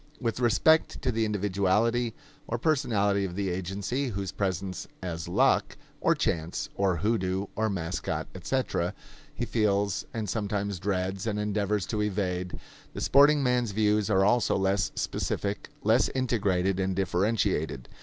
With respect to the individuality or personality of the agency whose presence as luck, or chance, or hoodoo, or mascot, etc., he feels and sometimes dreads and endeavors to evade, the sporting man's views are also less specific, less integrated and differentiated.